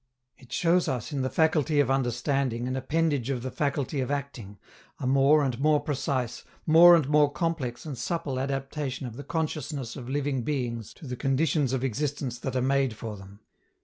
It shows us in the faculty of understanding an appendage of the faculty of acting, a more and more precise, more and more complex and supple adaptation of the consciousness of living beings to the conditions of existence that are made for them.